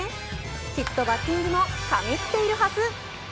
きっとバッティングも神っているはず。